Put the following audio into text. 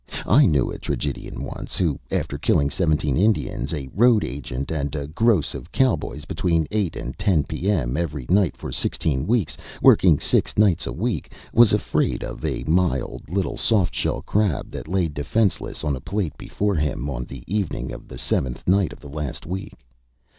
I knew a tragedian once who, after killing seventeen Indians, a road agent, and a gross of cowboys between eight and ten P.M. every night for sixteen weeks, working six nights a week, was afraid of a mild little soft shell crab that lay defenceless on a plate before him on the evening of the seventh night of the last week.